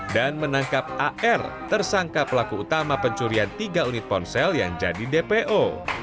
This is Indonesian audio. dan menangkap ar tersangka pelaku utama pencurian tiga unit ponsel yang jadi dpo